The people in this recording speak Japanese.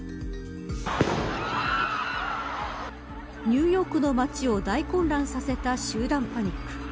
ニューヨークの街を大混乱させた集団パニック。